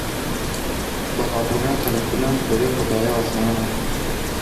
Buhabûna telefonan berê xwe daye ezmanan.